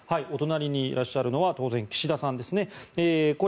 お隣にいらっしゃるのは岸田さんですね。